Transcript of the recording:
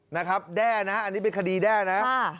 แด้นะอันนี้เป็นคดีแด้นะ